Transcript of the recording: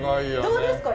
どうですか？